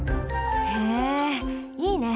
へえいいね！